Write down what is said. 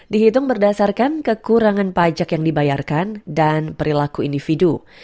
dihitung berdasarkan kekurangan pajak yang dibayarkan dan perilaku individu